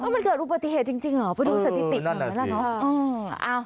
มันเกิดอุบัติเหตุจริงเพราะดูสติติกเหมือนกันนะ